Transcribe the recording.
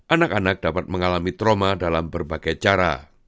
anak anak dapat mengalami trauma dalam berbagai cara